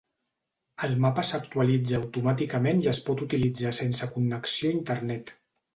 El mapa s’actualitza automàticament i es pot utilitzar sense connexió a internet.